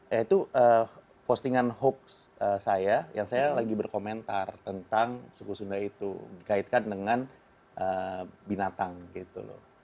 yaitu postingan hoax saya yang saya lagi berkomentar tentang suku sunda itu dikaitkan dengan binatang gitu loh